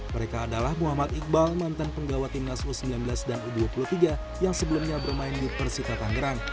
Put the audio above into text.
mereka adalah muhammad iqbal mantan penggawa timnas u sembilan belas dan u dua puluh tiga yang sebelumnya bermain di persita tangerang